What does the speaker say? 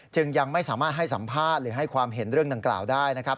ยังไม่สามารถให้สัมภาษณ์หรือให้ความเห็นเรื่องดังกล่าวได้นะครับ